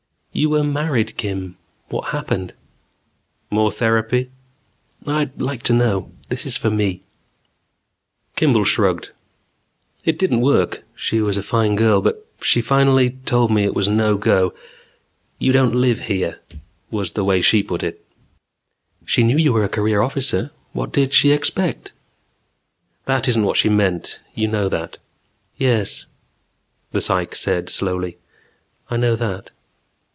"You were married, Kim. What happened?" "More therapy?" "I'd like to know. This is for me." Kimball shrugged. "It didn't work. She was a fine girl but she finally told me it was no go. 'You don't live here' was the way she put it." "She knew you were a career officer; what did she expect ?" "That isn't what she meant. You know that." "Yes," the psych said slowly. "I know that."